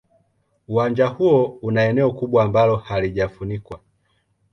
Uwanja huo una eneo kubwa ambalo halijafunikwa.